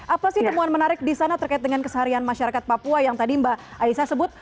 apa sih temuan menarik di sana terkait dengan keseharian masyarakat papua yang tadi mbak aisyah sebut